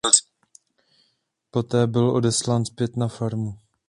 Poté byl odeslán zpět na farmu.